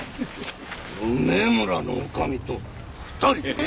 梅むらの女将と２人で。